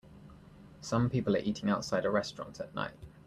Some people are eating at an outside restaurant at night.